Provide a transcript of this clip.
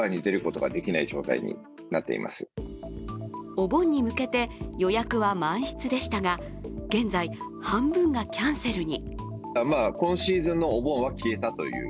お盆に向けて、予約は満室でしたが、現在は、半分がキャンセルに。